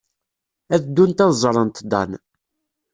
Ad ddunt ad ẓrent Dan.